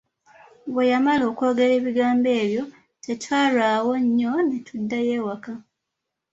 Bwe yamala okwogera ebigambo ebyo, tetwalwawo nnyo ne tuddayo ewaka.